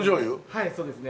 はいそうですね。